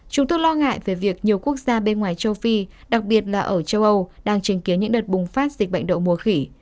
chúng tôi lo ngại về việc nhiều quốc gia bên ngoài châu phi đặc biệt là ở châu âu đang chứng kiến những đợt bùng phát dịch bệnh đậu mùa khỉ